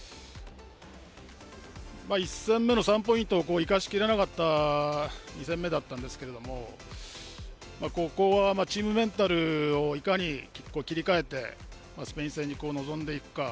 １戦目の３ポイントを生かしきれなかった２戦目だったんですけども、ここはチームメンタルをいかに切り替えて、スペイン戦に臨んでいくか。